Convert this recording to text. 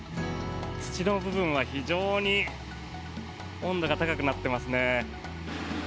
土の部分は非常に温度が高くなってますね。